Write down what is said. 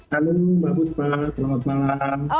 halo mbak fuspa selamat malam